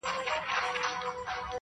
د حمزه بابا د جمالیاتو لیدلوري بدل دي